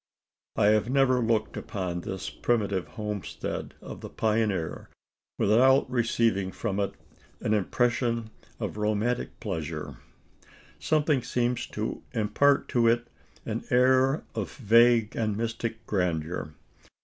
I have never looked upon this primitive homestead of the pioneer without receiving from it an impression of romantic pleasure. Something seems to impart to it an air of vague and mystic grandeur.